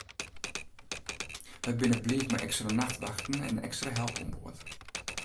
Wy binne bliid mei ekstra nachtwachten en ekstra help oan board.